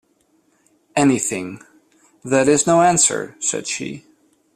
“Anything.” “That is no answer,” said she.